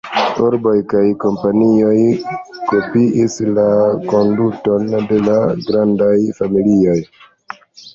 Urboj kaj kompanioj kopiis la konduton de la grandaj familioj.